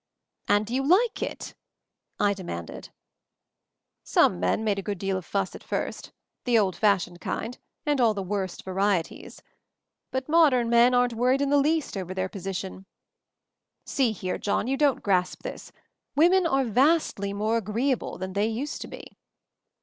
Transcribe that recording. "And do you like it?" I demanded. "Some men made a good deal of fuss at first — the old fashioned kind, and all the worst varieties. But modern men aren't worried in the least over their position. .,. 116 MOVING THE MOUNTAIN See here, John, you don't grasp this — wo men are vastly more agreeable than they used to be."